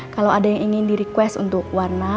kalau ada yang ingin di request untuk warna